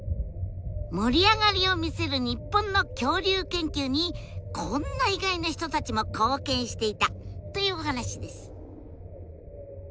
盛り上がりを見せる日本の恐竜研究にこんな意外な人たちも貢献していたというお話です！